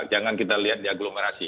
jangan kita lihat di aglomerasi